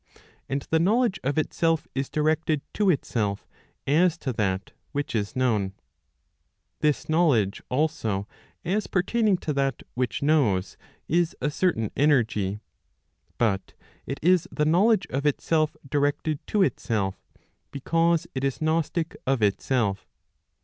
And the knowledge of itself is directed to itself as to that which is known. This knowledge also as pertaining to that which knows is a certain energy; but Digitized by {jOoq le 858 ELEMENTS PROP. LXXXIV. LXXXV. it is the knowledge of itself directed to itself, because it is gnostic of itself.